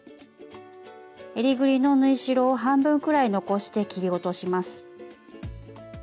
えりぐりの縫い代を半分くらい残して切り落とします。